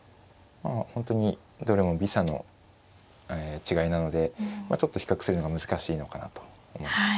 本当にどれも微差の違いなのでちょっと比較するのが難しいのかなと思います。